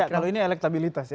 kalau ini elektabilitas ya